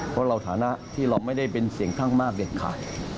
เพราะเราฐานะที่เราไม่ได้เป็นเสียงข้างมากเด็ดขาด